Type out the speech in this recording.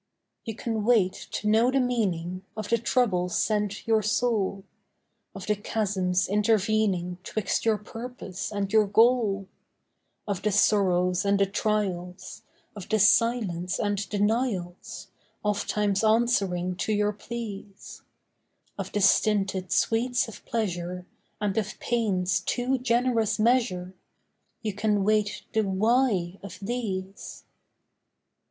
You can wait to know the meaning Of the troubles sent your soul; Of the chasms intervening 'Twixt your purpose and your goal; Of the sorrows and the trials, Of the silence and denials, Ofttimes answering to your pleas; Of the stinted sweets of pleasure, And of pain's too generous measure— You can wait the why of these.